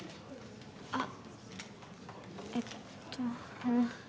あえっとあの。